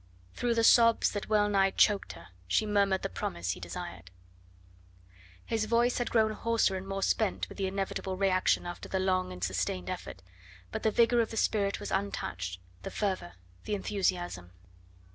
Through the sobs that well nigh choked her she murmured the promise he desired. His voice had grown hoarser and more spent with the inevitable reaction after the long and sustained effort, but the vigour of the spirit was untouched, the fervour, the enthusiasm.